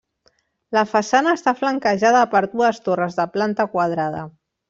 La façana està flanquejada per dues torres de planta quadrada.